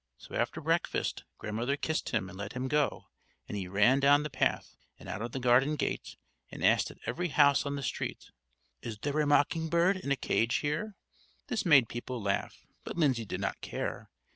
So after breakfast Grandmother kissed him and let him go, and he ran down the path and out of the garden gate, and asked at every house on the street: "Is there a mocking bird in a cage here?" This made people laugh, but Lindsay did not care.